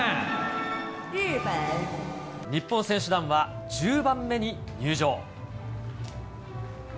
日本選手団は１０番目に入場。